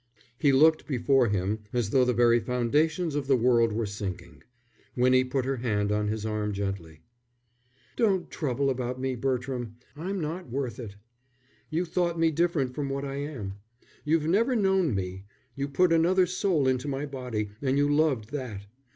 He looked before him as though the very foundations of the world were sinking. Winnie put her hand on his arm gently. "Don't trouble about me, Bertram. I'm not worth it. You thought me different from what I am. You've never known me; you put another soul into my body, and you loved that.